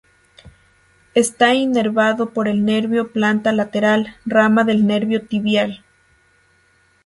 Está inervado por el nervio plantar lateral, rama del nervio tibial.